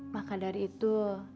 maka dari itu